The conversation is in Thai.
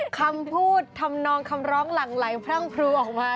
คำพูดทำนองคำร้องหลั่งไหลพรั่งพรูออกมา